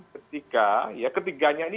ketika ketiganya ini